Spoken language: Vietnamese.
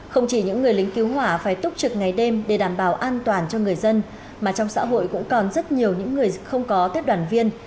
không chỉ những người lính cứu hỏa phải túc trực ngày đêm để đảm bảo an toàn cho người dân mà trong xã hội cũng còn rất nhiều những người không có tết đoàn viên